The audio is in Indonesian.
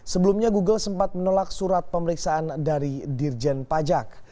sebelumnya google sempat menolak surat pemeriksaan dari dirjen pajak